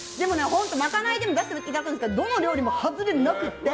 本当にまかないでも出していただいたんですけどどの料理も外れがなくて。